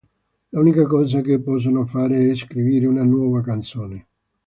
L'unica cosa che possono fare è scrivere una nuova canzone.